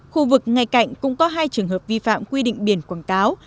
khu vực ngay cạnh cũng có hai trường hợp vi phạm quy định biển quảng cáo